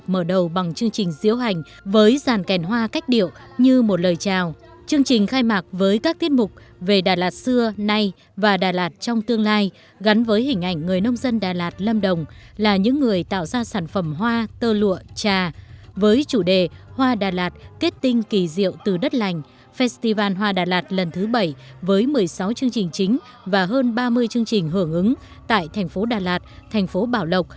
mở đầu chương trình mời quý vị và các bạn cùng chúng tôi điểm lại các sự kiện văn hóa văn nghệ tuần này